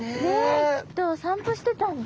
きっとお散歩してたんだ。